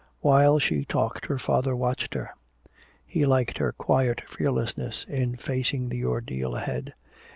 While she talked her father watched her. He liked her quiet fearlessness in facing the ordeal ahead.